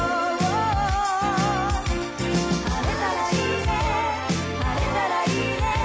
「晴れたらいいね晴れたらいいね」